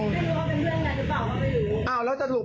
ไม่รู้ว่าเป็นเพื่อนกันหรือเปล่าก็ไม่รู้